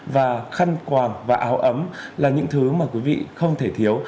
và khăn quàn và áo ấm là những thứ mà quý vị không thể thiếu